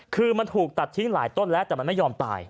คือมันถูกตัดทิ้งหลายต้นแล้วแต่มันไม่ยอมตาย